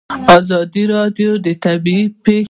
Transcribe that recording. ازادي راډیو د طبیعي پېښې په اړه ښوونیز پروګرامونه خپاره کړي.